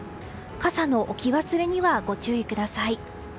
傘の置き忘れにはご注意ください。